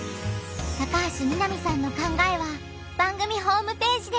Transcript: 高橋みなみさんの考えは番組ホームページで！